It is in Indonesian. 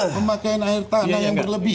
pemakaian air tanah yang berlebih